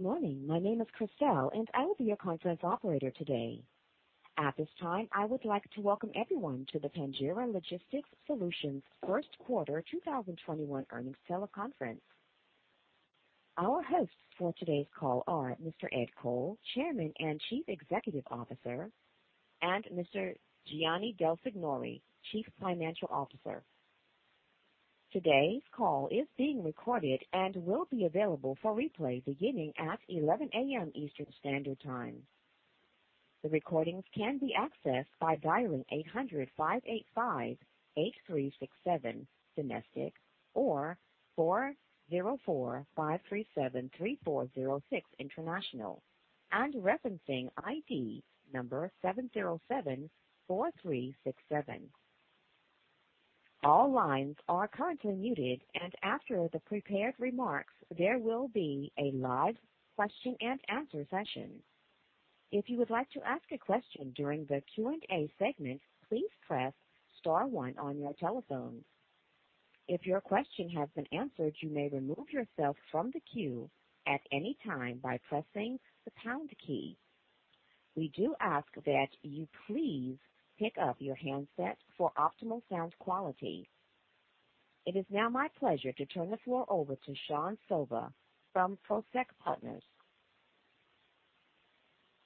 Morning. My name is Christelle, and I will be your conference operator today. At this time, I would like to welcome everyone to the Pangaea Logistics Solutions First Quarter 2021 Earnings Teleconference. Our hosts for today's call are Mr. Ed Coll, Chairman and Chief Executive Officer, and Mr. Gianni Del Signore, Chief Financial Officer. Today's call is being recorded and will be available for replay beginning at 11:00 A.M. Eastern Standard Time. The recordings can be accessed by dialing 800-585-8367 domestic or 404-537-3406 international, and referencing ID number 7074367. All lines are currently muted, and after the prepared remarks, there will be a live question and answer session. If you would like to ask a question during the Q and A segment, please press star one on your telephone. If your question has been answered, you may remove yourself from the queue at any time by pressing the pound key. We do ask that you please pick up your handset for optimal sound quality. It is now my pleasure to turn the floor over to Sean Silva from Prosek Partners.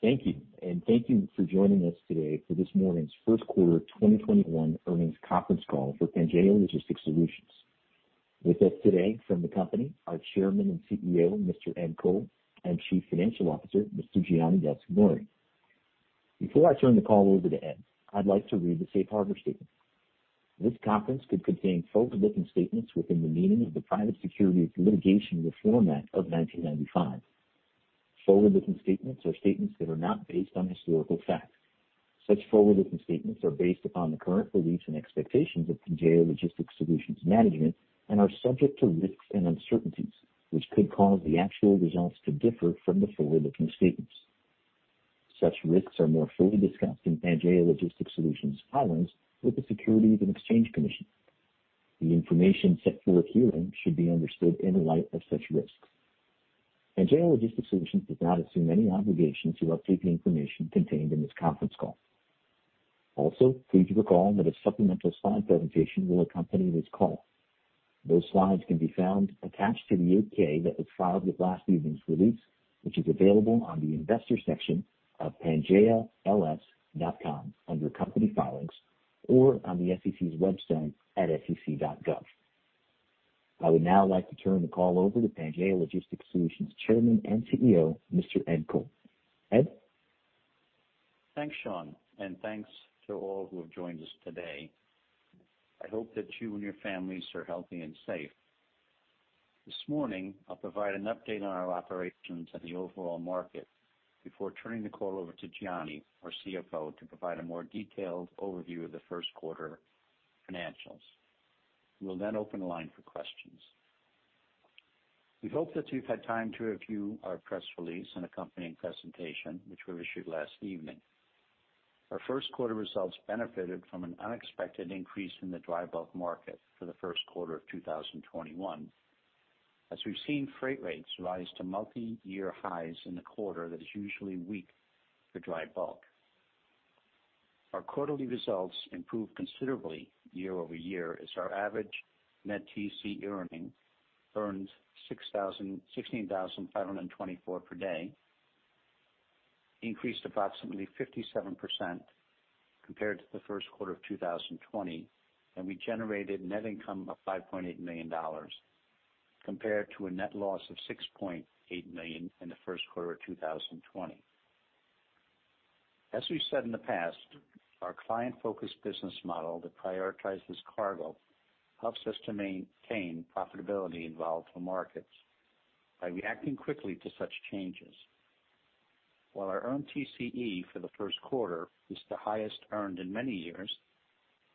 Thank you, and thank you for joining us today for this morning's First Quarter 2021 earnings conference call for Pangaea Logistics Solutions. With us today from the company are Chairman and CEO Mr. Ed Coll and Chief Financial Officer Mr. Gianni Del Signore. Before I turn the call over to Ed, I'd like to read the Safe Harbor Statement. This call could contain forward-looking statements within the meaning of the Private Securities Litigation Reform Act of 1995. Forward-looking statements are statements that are not based on historical facts. Such forward-looking statements are based upon the current beliefs and expectations of Pangaea Logistics Solutions management and are subject to risks and uncertainties, which could cause the actual results to differ from the forward-looking statements. Such risks are more fully discussed in Pangaea Logistics Solutions filings with the Securities and Exchange Commission. The information set forth here should be understood in light of such risks. Pangaea Logistics Solutions does not assume any obligation to update the information contained in this conference call. Also, please recall that a supplemental slide presentation will accompany this call. Those slides can be found attached to the 8-K that was filed with last evening's release, which is available on the investor section of pangaea-ls.com under company filings or on the SEC's website at sec.gov. I would now like to turn the call over to Pangaea Logistics Solutions Chairman and CEO Mr. Ed Coll. Ed? Thanks, Sean, and thanks to all who have joined us today. I hope that you and your families are healthy and safe. This morning, I'll provide an update on our operations and the overall market before turning the call over to Gianni, our CFO, to provide a more detailed overview of the first quarter financials. We'll then open the line for questions. We hope that you've had time to review our press release and accompanying presentation, which we issued last evening. Our first quarter results benefited from an unexpected increase in the dry bulk market for the first quarter of 2021, as we've seen freight rates rise to multi-year highs in a quarter that is usually weak for dry bulk. Our quarterly results improved considerably year over year, as our average net TCE earned $16,524 per day, increased approximately 57% compared to the first quarter of 2020, and we generated net income of $5.8 million compared to a net loss of $6.8 million in the first quarter of 2020. As we've said in the past, our client-focused business model that prioritizes cargo helps us to maintain profitability in volatile markets by reacting quickly to such changes. While our earned TCE for the first quarter is the highest earned in many years,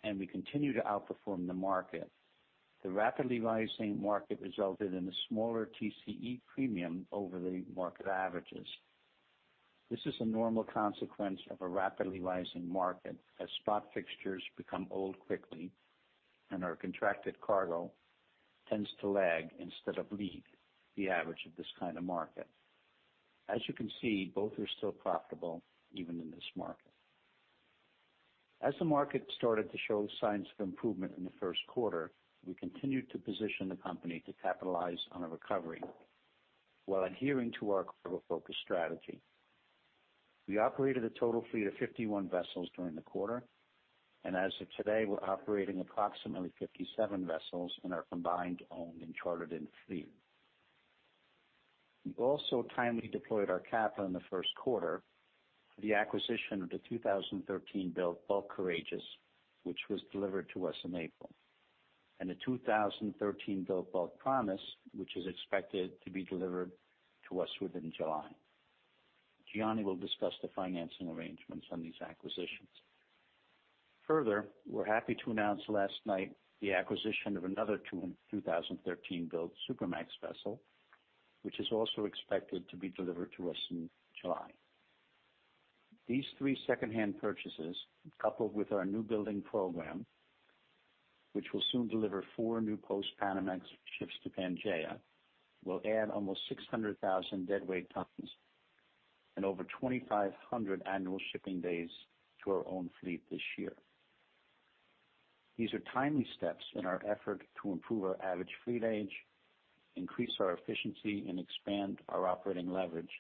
and we continue to outperform the market, the rapidly rising market resulted in a smaller TCE premium over the market averages. This is a normal consequence of a rapidly rising market, as spot fixtures become old quickly and our contracted cargo tends to lag instead of lead the average of this kind of market. As you can see, both are still profitable even in this market. As the market started to show signs of improvement in the first quarter, we continued to position the company to capitalize on a recovery while adhering to our cargo-focused strategy. We operated a total fleet of 51 vessels during the quarter, and as of today, we're operating approximately 57 vessels in our combined owned and chartered in fleet. We also timely deployed our capital in the first quarter for the acquisition of the 2013-built Bulk Courageous, which was delivered to us in April, and the 2013-built Bulk Promise, which is expected to be delivered to us within July. Gianni will discuss the financing arrangements on these acquisitions. Further, we're happy to announce last night the acquisition of another 2013-built Supramax vessel, which is also expected to be delivered to us in July. These three second-hand purchases, coupled with our newbuilding program, which will soon deliver four new Post-Panamax ships to Pangaea, will add almost 600,000 deadweight tons and over 2,500 annual shipping days to our own fleet this year. These are timely steps in our effort to improve our average fleet age, increase our efficiency, and expand our operating leverage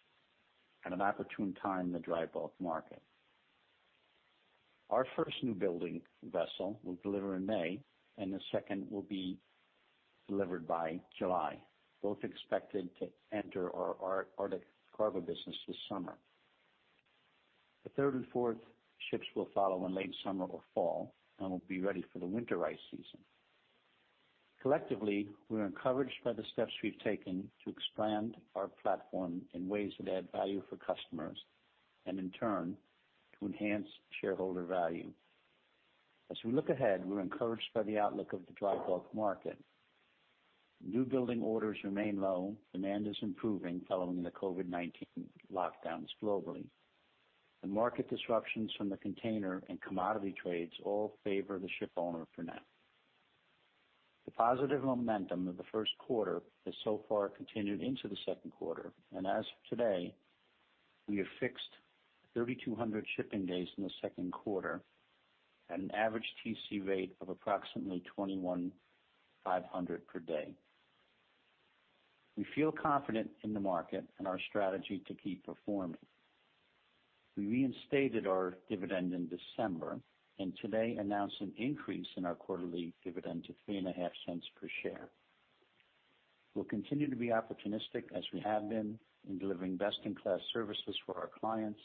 at an opportune time in the dry bulk market. Our first newbuilding vessel will deliver in May, and the second will be delivered by July, both expected to enter our Arctic cargo business this summer. The third and fourth ships will follow in late summer or fall and will be ready for the winter ice season. Collectively, we're encouraged by the steps we've taken to expand our platform in ways that add value for customers and, in turn, to enhance shareholder value. As we look ahead, we're encouraged by the outlook of the dry bulk market. Newbuilding orders remain low. Demand is improving following the COVID-19 lockdowns globally. The market disruptions from the container and commodity trades all favor the ship owner for now. The positive momentum of the first quarter has so far continued into the second quarter, and as of today, we have fixed 3,200 shipping days in the second quarter at an average TCE rate of approximately $21,500 per day. We feel confident in the market and our strategy to keep performing. We reinstated our dividend in December and today announced an increase in our quarterly dividend to $0.035 per share. We'll continue to be opportunistic as we have been in delivering best-in-class services for our clients,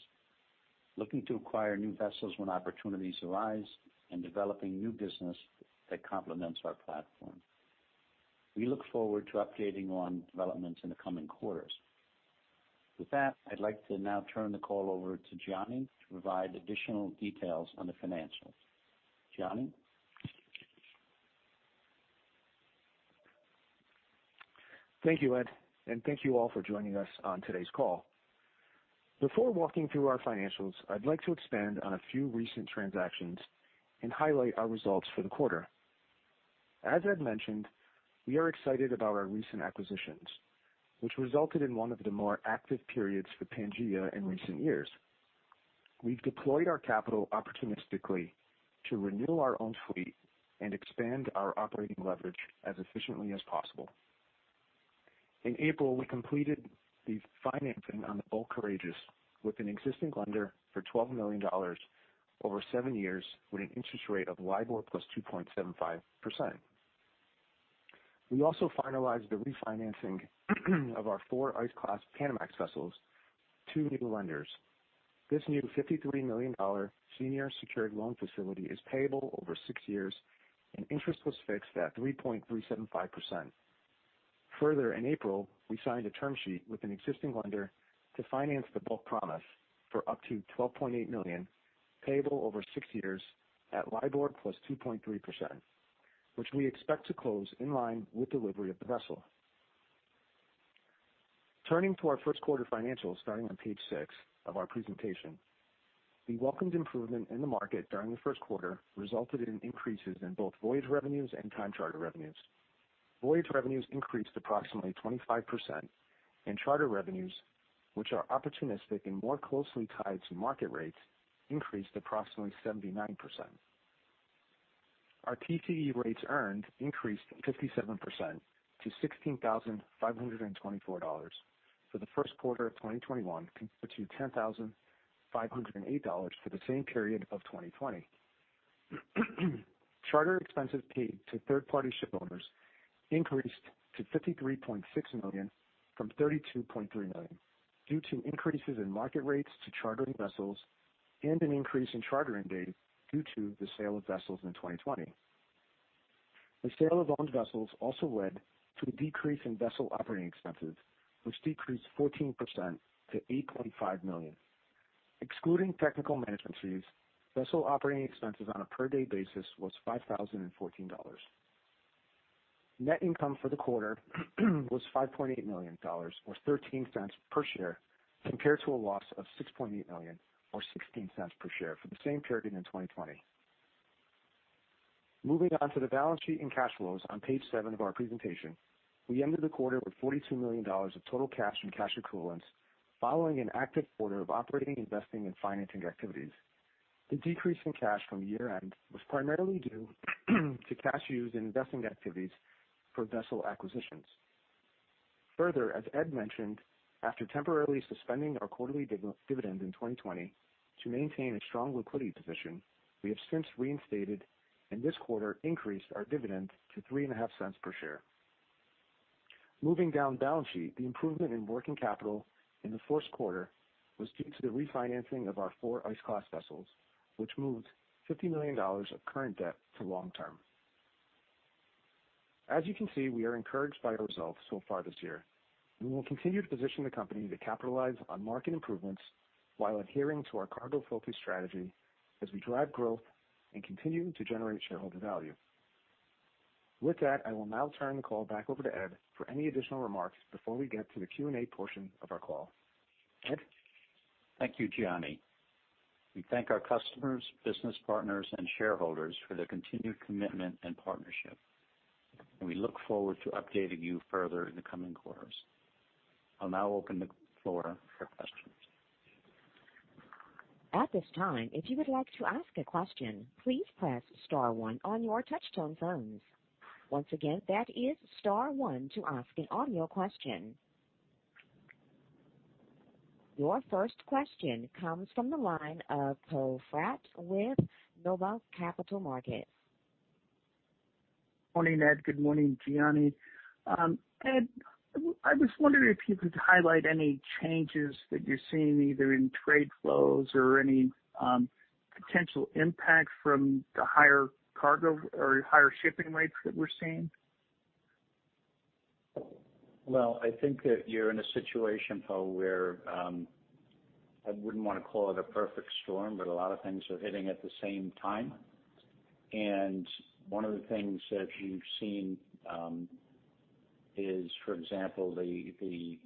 looking to acquire new vessels when opportunities arise, and developing new business that complements our platform. We look forward to updating on developments in the coming quarters. With that, I'd like to now turn the call over to Gianni to provide additional details on the financials. Gianni? Thank you, Ed, and thank you all for joining us on today's call. Before walking through our financials, I'd like to expand on a few recent transactions and highlight our results for the quarter. As Ed mentioned, we are excited about our recent acquisitions, which resulted in one of the more active periods for Pangaea in recent years. We've deployed our capital opportunistically to renew our own fleet and expand our operating leverage as efficiently as possible. In April, we completed the financing on the Bulk Courageous with an existing lender for $12 million over seven years with an interest rate of LIBOR plus 2.75%. We also finalized the refinancing of our four ice-class Post-Panamax vessels to new lenders. This new $53 million senior secured loan facility is payable over six years, and interest was fixed at 3.375%. Further, in April, we signed a term sheet with an existing lender to finance the Bulk Promise for up to $12.8 million, payable over six years at LIBOR plus 2.3%, which we expect to close in line with delivery of the vessel. Turning to our first quarter financials, starting on page six of our presentation, we welcomed improvement in the market during the first quarter, resulting in increases in both voyage revenues and time charter revenues. Voyage revenues increased approximately 25%, and charter revenues, which are opportunistic and more closely tied to market rates, increased approximately 79%. Our TCE rates earned increased 57% to $16,524 for the first quarter of 2021, which is $10,508 for the same period of 2020. Charter expenses paid to third-party ship owners increased to $53.6 million from $32.3 million due to increases in market rates to chartering vessels and an increase in chartering days due to the sale of vessels in 2020. The sale of owned vessels also led to a decrease in vessel operating expenses, which decreased 14% to $8.5 million. Excluding technical management fees, vessel operating expenses on a per-day basis was $5,014. Net income for the quarter was $5.8 million or $0.13 per share compared to a loss of $6.8 million or $0.16 per share for the same period in 2020. Moving on to the balance sheet and cash flows on page seven of our presentation, we ended the quarter with $42 million of total cash and cash equivalents following an active quarter of operating, investing, and financing activities. The decrease in cash from year-end was primarily due to cash used in investing activities for vessel acquisitions. Further, as Ed mentioned, after temporarily suspending our quarterly dividend in 2020 to maintain a strong liquidity position, we have since reinstated and this quarter increased our dividend to $0.035 per share. Moving down the balance sheet, the improvement in working capital in the fourth quarter was due to the refinancing of our four ice-class vessels, which moved $50 million of current debt to long-term. As you can see, we are encouraged by our results so far this year. We will continue to position the company to capitalize on market improvements while adhering to our cargo-focused strategy as we drive growth and continue to generate shareholder value. With that, I will now turn the call back over to Ed for any additional remarks before we get to the Q and A portion of our call. Ed? Thank you, Gianni. We thank our customers, business partners, and shareholders for their continued commitment and partnership, and we look forward to updating you further in the coming quarters. I'll now open the floor for questions. At this time, if you would like to ask a question, please press star one on your touch-tone phones. Once again, that is star one to ask an audio question. Your first question comes from the line of Poe Fratt with Noble Capital Markets. Morning, Ed. Good morning, Gianni. Ed, I was wondering if you could highlight any changes that you're seeing either in trade flows or any potential impact from the higher cargo or higher shipping rates that we're seeing? Well, I think that you're in a situation, Poe, where I wouldn't want to call it a perfect storm, but a lot of things are hitting at the same time. And one of the things that you've seen is, for example, the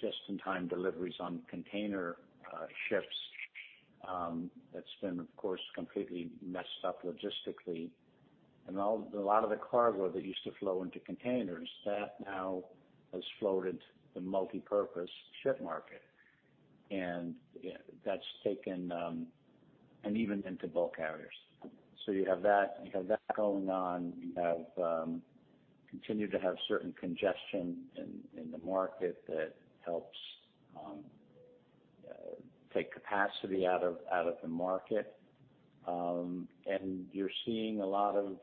just-in-time deliveries on container ships that's been, of course, completely messed up logistically. And a lot of the cargo that used to flow into containers, that now has floated the multipurpose ship market, and that's taken and even into bulk carriers. So you have that going on. You continue to have certain congestion in the market that helps take capacity out of the market. And you're seeing a lot of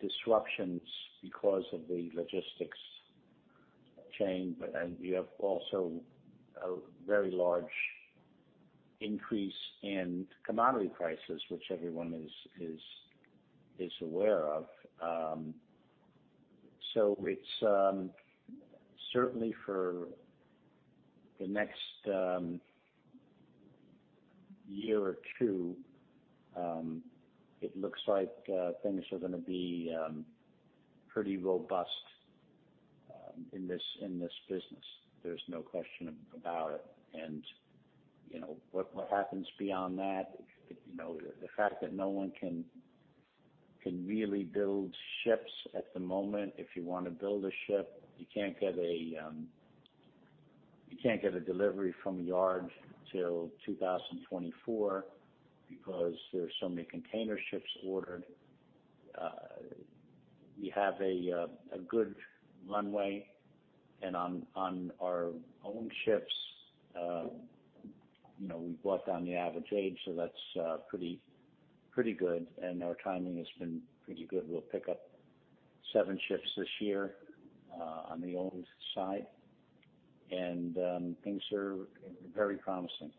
disruptions because of the logistics chain, but you have also a very large increase in commodity prices, which everyone is aware of. So certainly, for the next year or two, it looks like things are going to be pretty robust in this business. There's no question about it. And what happens beyond that? The fact that no one can really build ships at the moment. If you want to build a ship, you can't get a delivery from a yard till 2024 because there are so many container ships ordered. We have a good runway, and on our own ships, we've brought down the average age, so that's pretty good. And our timing has been pretty good. We'll pick up seven ships this year on the owned side, and things are very promising.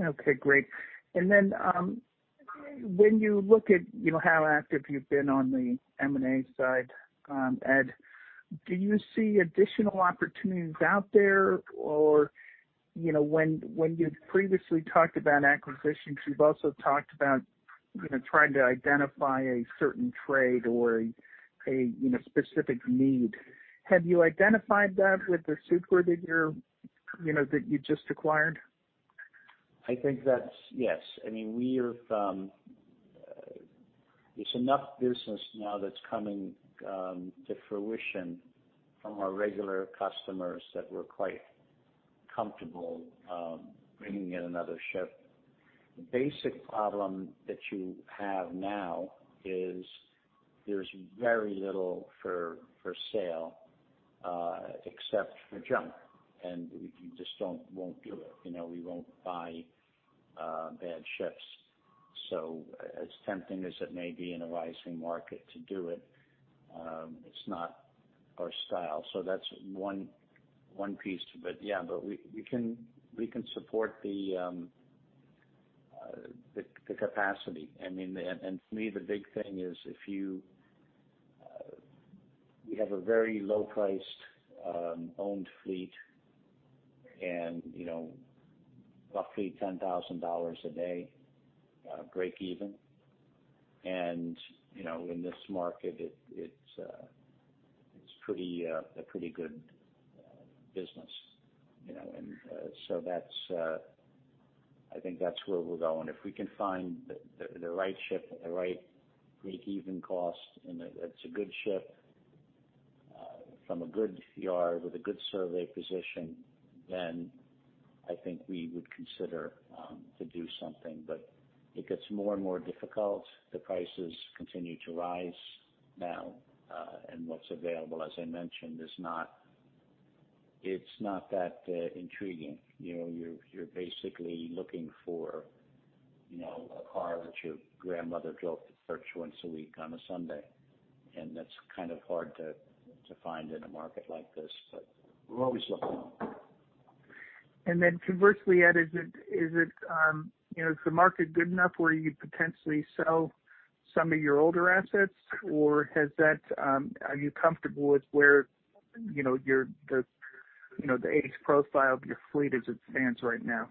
Okay, great. And then when you look at how active you've been on the M&A side, Ed, do you see additional opportunities out there? Or when you've previously talked about acquisitions, you've also talked about trying to identify a certain trade or a specific need. Have you identified that with the Supramax that you just acquired? I think that's yes. I mean, there's enough business now that's coming to fruition from our regular customers that we're quite comfortable bringing in another ship. The basic problem that you have now is there's very little for sale except for junk, and you just won't do it. We won't buy bad ships. So as tempting as it may be in a rising market to do it, it's not our style. So that's one piece. But yeah, we can support the capacity. I mean, and for me, the big thing is we have a very low-priced owned fleet and roughly $10,000 a day break even. And in this market, it's a pretty good business. And so I think that's where we're going. If we can find the right ship at the right break-even cost and it's a good ship from a good yard with a good survey position, then I think we would consider to do something. But it gets more and more difficult. The prices continue to rise now, and what's available, as I mentioned, it's not that intriguing. You're basically looking for a car that your grandmother drove to church once a week on a Sunday, and that's kind of hard to find in a market like this, but we're always looking. And then conversely, Ed, is the market good enough where you could potentially sell some of your older assets, or are you comfortable with where the age profile of your fleet stands right now?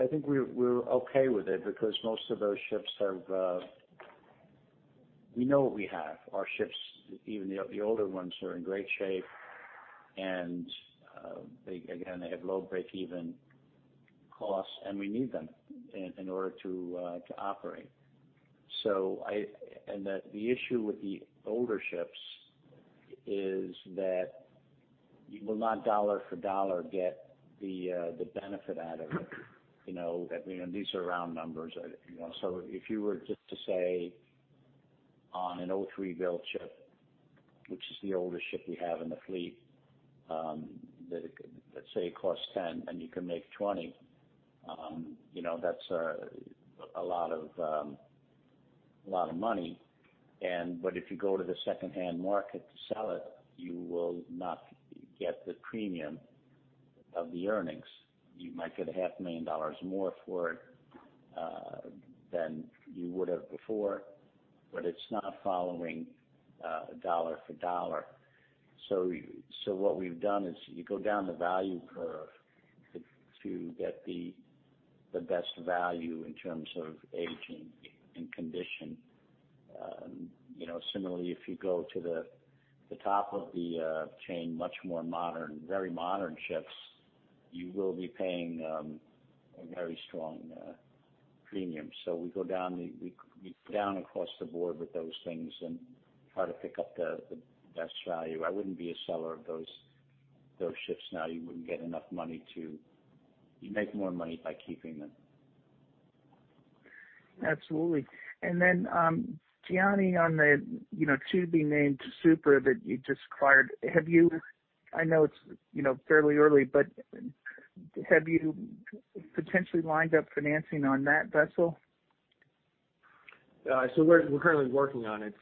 I think we're okay with it because most of those ships, we know what we have. Our ships, even the older ones, are in great shape, and again, they have low break-even costs, and we need them in order to operate, and the issue with the older ships is that you will not dollar for dollar get the benefit out of it. These are round numbers. If you were just to say on a 2003-built ship, which is the oldest ship we have in the fleet, let's say it costs 10 and you can make 20, that's a lot of money. But if you go to the secondhand market to sell it, you will not get the premium of the earnings. You might get $500,000 more for it than you would have before, but it's not following dollar for dollar. So what we've done is you go down the value curve to get the best value in terms of aging and condition. Similarly, if you go to the top of the chain, much more modern, very modern ships, you will be paying a very strong premium. So we go down across the board with those things and try to pick up the best value. I wouldn't be a seller of those ships now. You wouldn't get enough money to make more money by keeping them. Absolutely. And then Gianni on the to-be-named super that you just acquired, I know it's fairly early, but have you potentially lined up financing on that vessel? So we're currently working on it,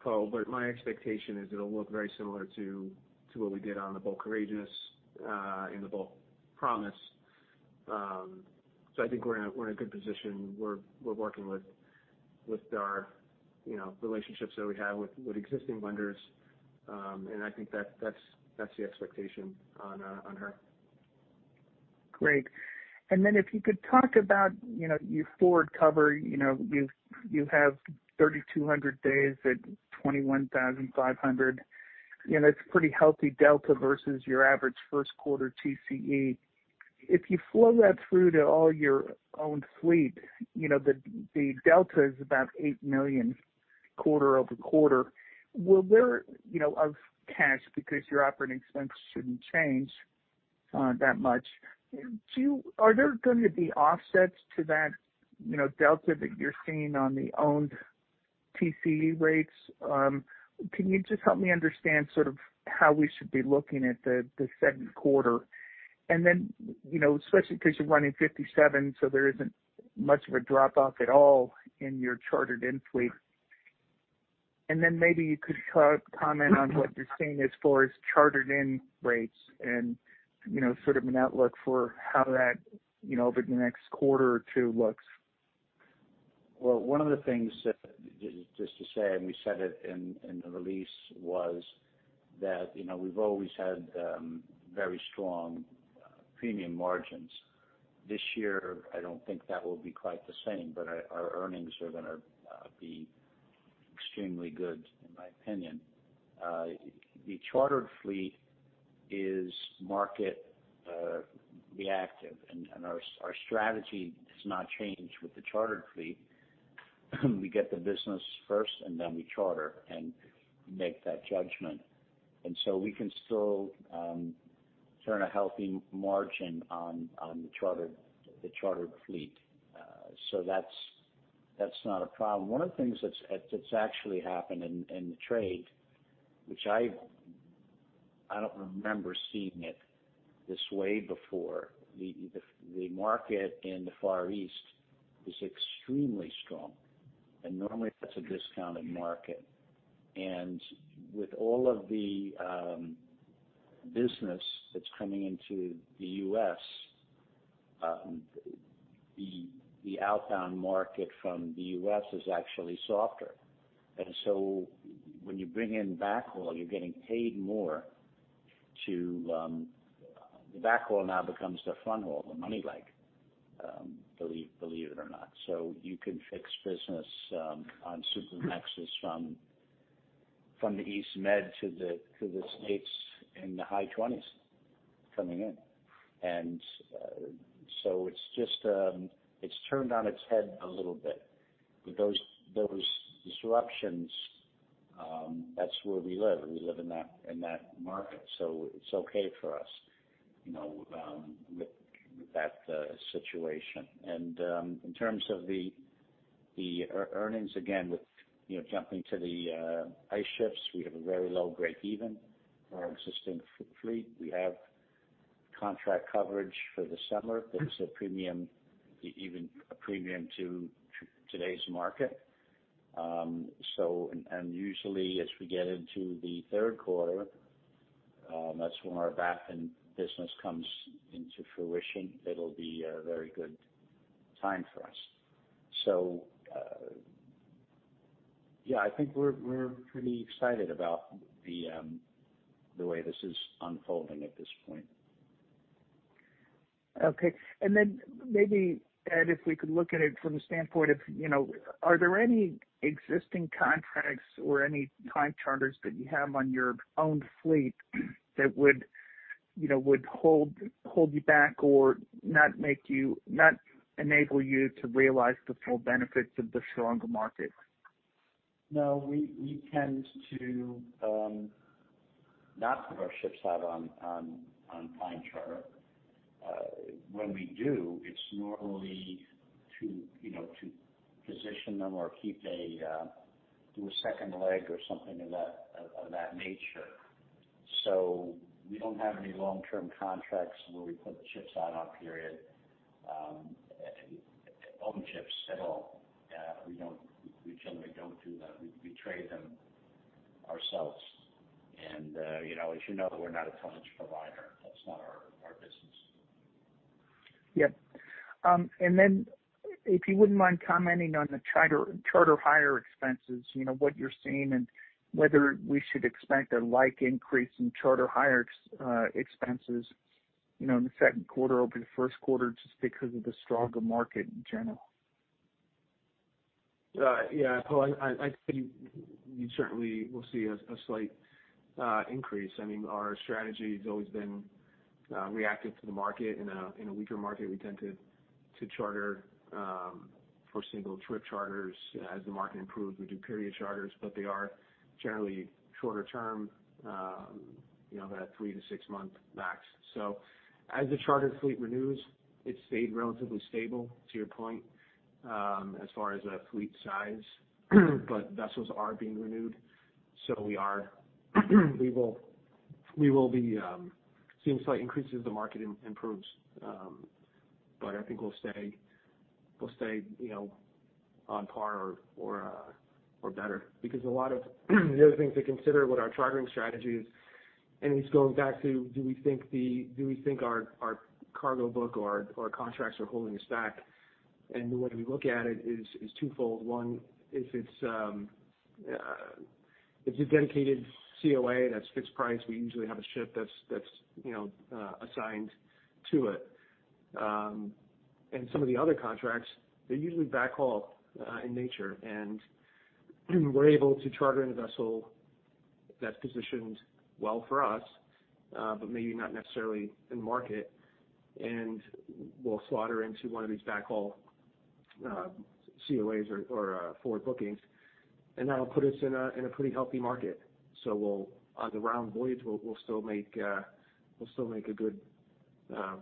Poe, but my expectation is it'll look very similar to what we did on the Bulk Courageous and the Bulk Promise. So I think we're in a good position. We're working with our relationships that we have with existing vendors, and I think that's the expectation on her. Great. And then if you could talk about your forward cover, you have 3,200 days at $21,500. That's a pretty healthy delta versus your average first quarter TCE. If you flow that through to all your owned fleet, the delta is about $8 million quarter over quarter. Will that flow to cash because your operating expense shouldn't change that much? Are there going to be offsets to that delta that you're seeing on the owned TCE rates? Can you just help me understand sort of how we should be looking at the second quarter? And then especially because you're running 57, so there isn't much of a drop-off at all in your chartered-in fleet. And then maybe you could comment on what you're seeing as far as chartered-in rates and sort of an outlook for how that over the next quarter or two looks. One of the things just to say, and we said it in the release, was that we've always had very strong premium margins. This year, I don't think that will be quite the same, but our earnings are going to be extremely good, in my opinion. The chartered fleet is market reactive, and our strategy has not changed with the chartered fleet. We get the business first, and then we charter and make that judgment, and so we can still turn a healthy margin on the chartered fleet, so that's not a problem. One of the things that's actually happened in the trade, which I don't remember seeing it this way before, the market in the Far East is extremely strong, and normally, that's a discounted market, and with all of the business that's coming into the U.S., the outbound market from the U.S. is actually softer. And so when you bring in backhaul, you're getting paid more to the backhaul. Now it becomes the fronthaul, the money, like, believe it or not. So you can fix business on Supramax from the East Med to the States in the high 20s coming in. And so it's turned on its head a little bit. With those disruptions, that's where we live. We live in that market, so it's okay for us with that situation. And in terms of the earnings, again, with jumping to the ice ships, we have a very low break-even for our existing fleet. We have contract coverage for the summer. That's a premium, even a premium to today's market. And usually, as we get into the third quarter, that's when our backend business comes into fruition. It'll be a very good time for us. So yeah, I think we're pretty excited about the way this is unfolding at this point. Okay, and then maybe, Ed, if we could look at it from the standpoint of are there any existing contracts or any time charters that you have on your owned fleet that would hold you back or not enable you to realize the full benefits of the stronger market? No, we tend to not put our ships out on time charter. When we do, it's normally to position them or do a second leg or something of that nature. So we don't have any long-term contracts where we put ships out on period owned ships at all. We generally don't do that. We trade them ourselves. And as you know, we're not a tonnage provider. That's not our business. Yep. And then if you wouldn't mind commenting on the charter hire expenses, what you're seeing and whether we should expect a like increase in charter hire expenses in the second quarter over the first quarter just because of the stronger market in general? Yeah, Poe, I think you certainly will see a slight increase. I mean, our strategy has always been reactive to the market. In a weaker market, we tend to charter for single trip charters. As the market improves, we do period charters, but they are generally shorter term, about three-to-six months max. So as the chartered fleet renews, it's stayed relatively stable, to your point, as far as fleet size. But vessels are being renewed, so we will be seeing slight increases as the market improves. But I think we'll stay on par or better because a lot of the other things to consider with our chartering strategy is, and it's going back to, do we think our cargo book or our contracts are holding us back? And the way we look at it is twofold. One, if it's a dedicated COA that's fixed price, we usually have a ship that's assigned to it. And some of the other contracts, they're usually backhaul in nature. And we're able to charter in a vessel that's positioned well for us, but maybe not necessarily in market, and we'll slot her into one of these backhaul COAs or forward bookings. And that'll put us in a pretty healthy market. So on the round voyage, we'll still make a good, I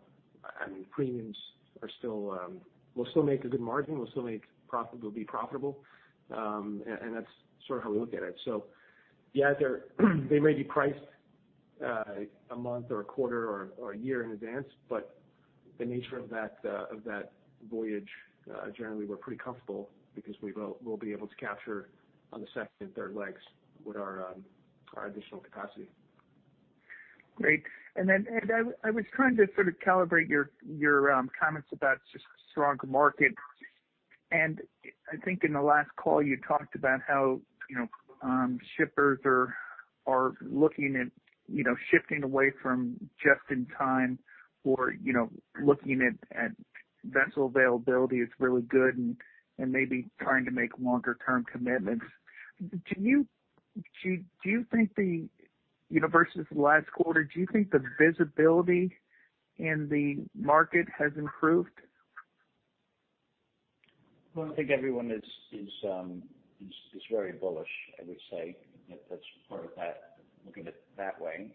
mean, premiums are still, we'll still make a good margin. We'll still be profitable. And that's sort of how we look at it. So yeah, they may be priced a month or a quarter or a year in advance, but the nature of that voyage, generally, we're pretty comfortable because we'll be able to capture on the second and third legs with our additional capacity. Great. And then, Ed, I was trying to sort of calibrate your comments about the strong market. And I think in the last call, you talked about how shippers are looking at shifting away from just-in-time or looking at vessel availability as really good and maybe trying to make longer-term commitments. Do you think, versus the last quarter, do you think the visibility in the market has improved? I think everyone is very bullish, I would say. That's part of that, looking at it that way.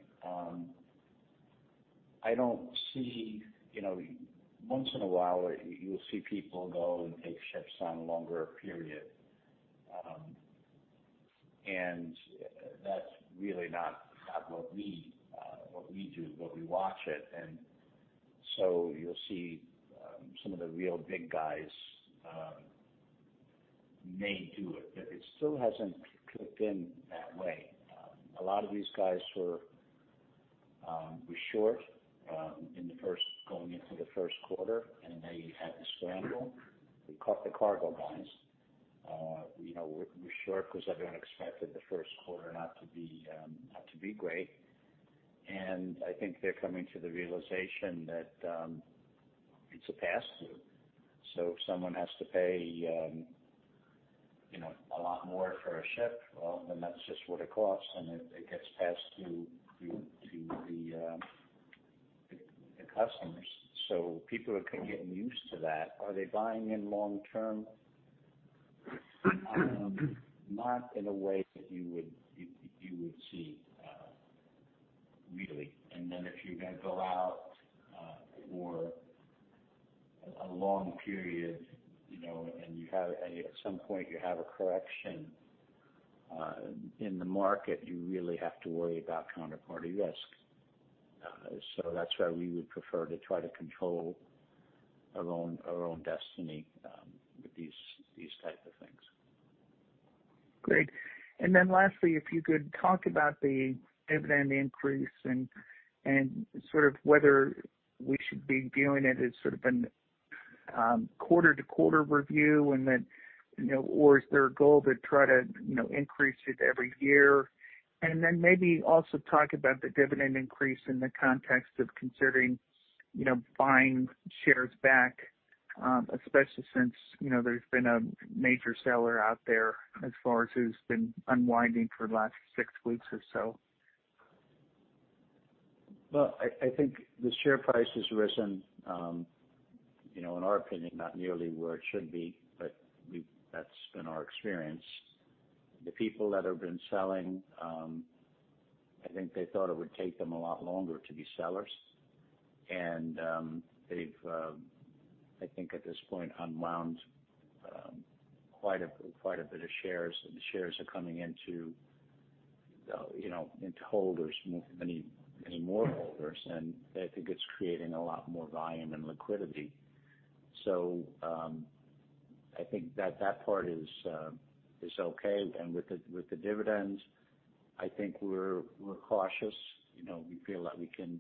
I don't see. Once in a while, you'll see people go and take ships on a longer period. That's really not what we do, but we watch it. You'll see some of the real big guys may do it, but it still hasn't clicked in that way. A lot of these guys were short going into the first quarter, and they had to scramble. They caught the cargo guys. We're short because everyone expected the first quarter not to be great. I think they're coming to the realization that it's a pass-through. If someone has to pay a lot more for a ship, well, then that's just what it costs, and it gets passed to the customers. People are getting used to that. Are they buying in long-term? Not in a way that you would see really. And then if you're going to go out for a long period and at some point you have a correction in the market, you really have to worry about counterparty risk. So that's why we would prefer to try to control our own destiny with these types of things. Great. And then lastly, if you could talk about the dividend increase and sort of whether we should be viewing it as sort of a quarter-to-quarter review, or is there a goal to try to increase it every year? And then maybe also talk about the dividend increase in the context of considering buying shares back, especially since there's been a major seller out there as far as who's been unwinding for the last six weeks or so. I think the share price has risen, in our opinion, not nearly where it should be, but that's been our experience. The people that have been selling, I think they thought it would take them a lot longer to be sellers, and they've, I think at this point, unwound quite a bit of shares, and the shares are coming into holders, many more holders, and I think it's creating a lot more volume and liquidity, so I think that that part is okay, and with the dividends, I think we're cautious. We feel that we can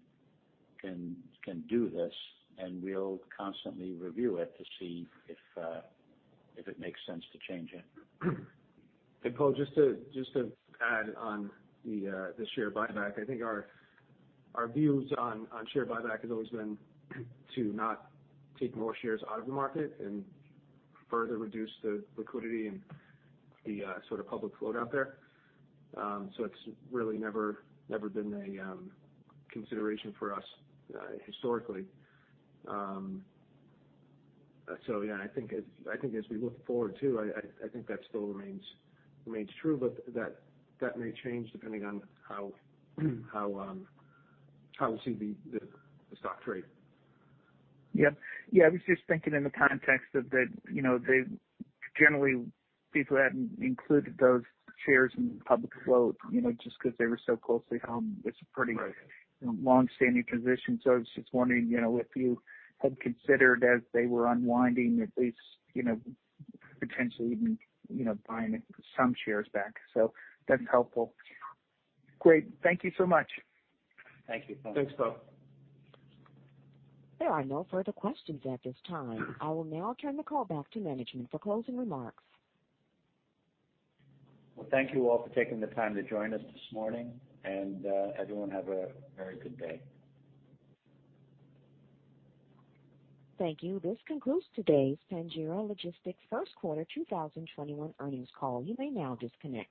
do this, and we'll constantly review it to see if it makes sense to change it. Coll, just to add on the share buyback, I think our views on share buyback have always been to not take more shares out of the market and further reduce the liquidity and the sort of public flow out there. It's really never been a consideration for us historically. Yeah, I think as we look forward too, I think that still remains true, but that may change depending on how we see the stock trade. Yep. Yeah. I was just thinking in the context of that generally, people hadn't included those shares in the public float just because they were so closely held. It's a pretty long-standing position. So I was just wondering if you had considered, as they were unwinding, at least potentially even buying some shares back. So that's helpful. Great. Thank you so much. Thank you. Thanks, Poe. There are no further questions at this time. I will now turn the call back to management for closing remarks. Thank you all for taking the time to join us this morning. Everyone, have a very good day. Thank you. This concludes today's Pangaea Logistics Solutions First Quarter 2021 Earnings Call. You may now disconnect.